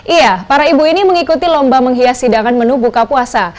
iya para ibu ini mengikuti lomba menghias hidangan menu buka puasa